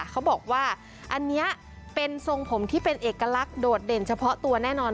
เขาบอกว่าอันนี้เป็นทรงผมที่เป็นเอกลักษณ์โดดเด่นเฉพาะตัวแน่นอน